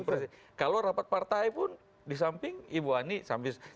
presiden kalau rapat partai pun di samping ibu ani sampai setelah itu jadi presiden itu jadi